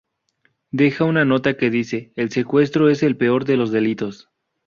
Deja una nota que dice: "el secuestro es el peor de los delitos.